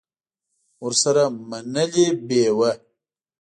ورسره منلې به یې وه.